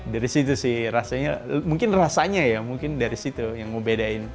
dari situ sih rasanya mungkin rasanya ya mungkin dari situ yang membedain